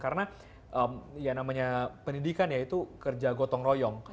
karena ya namanya pendidikan ya itu kerja gotong royong